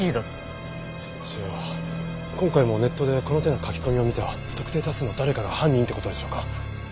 じゃあ今回もネットでこの手の書き込みを見た不特定多数の誰かが犯人って事でしょうか？